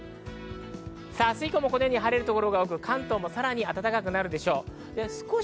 明日以降も晴れる所が多く、関東もさらに暖かくなるでしょう。